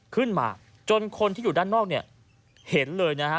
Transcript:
ขึ้นมาจนคนที่อยู่ด้านนอกเนี่ยเห็นเลยนะฮะ